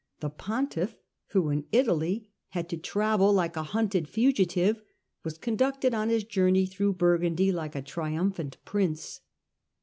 The pontiflT, who in Italy had to travel like a hunted fugitive, was conducted on his journey through Burgundy like a triumphant prince.